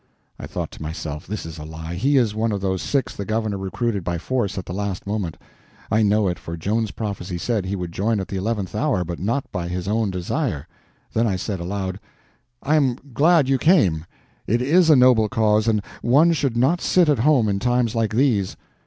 I thought to myself, this is a lie, he is one of those six the governor recruited by force at the last moment; I know it, for Joan's prophecy said he would join at the eleventh hour, but not by his own desire. Then I said aloud: "I am glad you came; it is a noble cause, and one should not sit at home in times like these."